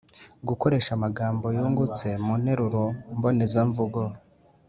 Gukoresha amagambo yungutse mu nteruro mbonezamvugo.